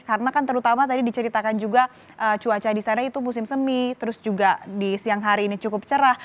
karena kan terutama tadi diceritakan juga cuaca di sana itu musim semi terus juga di siang hari ini cukup cerah